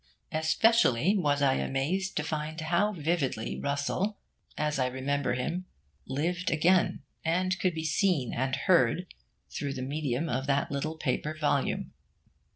Especially was I amazed to find how vividly Russell, as I remember him, lived again, and could be seen and heard, through the medium of that little paper volume.